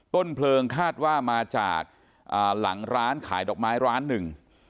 ต้นเพลิงคาดว่ามาจากหลังร้านขายดอกไม้ร้านหนึ่ง